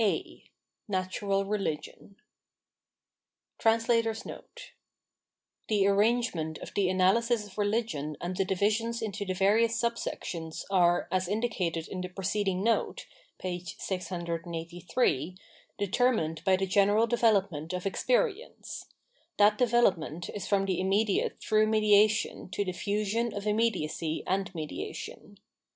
A Natural Religion [The arrangement of the analysis of Religion and the divisions into the various subsections are, as indicated in the preceding note (p. 683), determined by the general development of experience. That development is from the immediate through mediation to the fusion of iriimedlacj and mediation.